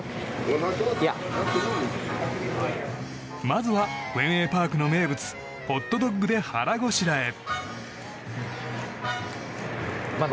まずはフェンウェイ・パークの名物ホットドッグで腹ごしらえ。